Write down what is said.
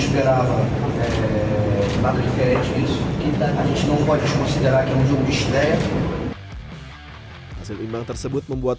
pertandingan tersebut membuat pemain yang sulit bagi kedua tim